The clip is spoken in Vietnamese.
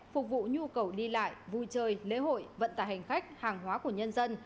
phục vụ nhu cầu đi lại vui chơi lễ hội vận tải hành khách hàng hóa của nhân dân